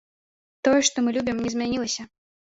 Тое, што мы любім, не змянілася.